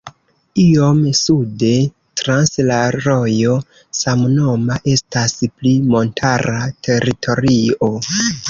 Iom sude, trans la rojo samnoma, estas pli montara teritorio.